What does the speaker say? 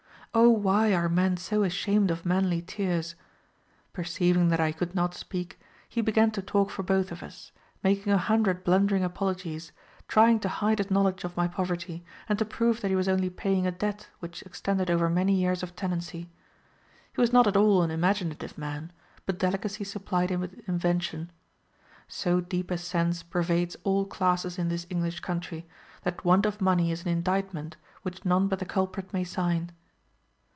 Oh why are men so ashamed of manly tears? Perceiving that I could not speak, he began to talk for both of us, making a hundred blundering apologies, trying to hide his knowledge of my poverty, and to prove that he was only paying a debt which extended over many years of tenancy. He was not at all an imaginative man, but delicacy supplied him with invention. So deep a sense pervades all classes in this English country, that want of money is an indictment, which none but the culprit may sign.